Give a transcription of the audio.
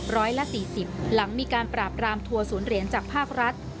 ร้อยละ๔๐หลังมีการปราบรามทัวร์ศูนย์เหรียญจากภาครัฐ